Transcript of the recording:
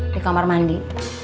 di kamar mandi